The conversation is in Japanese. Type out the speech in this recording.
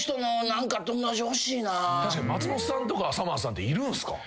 確かに松本さんとかさまぁずさんっているんすか？